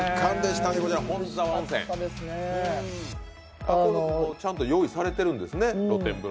ちゃんと露天風呂が用意されてるんですね。